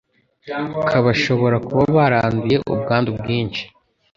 k'abashobora kuba baranduye ubwandu bwinshi